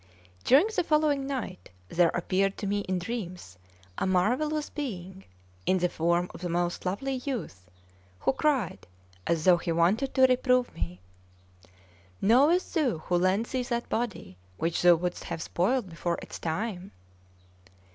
CXIX DURING the following night there appeared to me in dreams a marvellous being in the form of a most lovely youth, who cried, as though he wanted to reprove me: "Knowest thou who lent thee that body, which thou wouldst have spoiled before its time?"